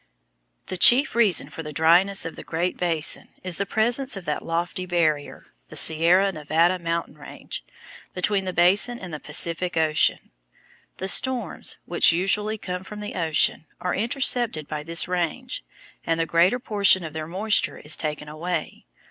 The chief reason for the dryness of the Great Basin is the presence of that lofty barrier, the Sierra Nevada mountain range, between the Basin and the Pacific Ocean. The storms, which usually come from the ocean, are intercepted by this range, and the greater portion of their moisture is taken away.